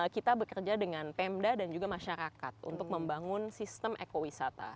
kita bekerja dengan pemda dan juga masyarakat untuk membangun sistem ekowisata